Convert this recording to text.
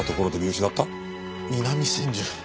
南千住。